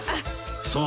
そう。